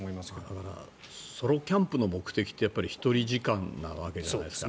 だからソロキャンプの目的って１人時間なわけじゃないですか。